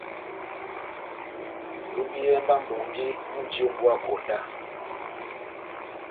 Tombiyɛhɛ mba mʼbongi múji ó mbuwa konda !